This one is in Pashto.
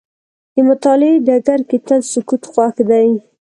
د مطالعې ډګر کې تل سکوت خوښ دی.